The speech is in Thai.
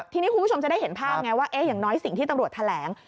ทีนี้คุณผู้ชมจะได้เห็นภาพไงว่าอย่างน้อยสิ่งที่ตำรวจแถลง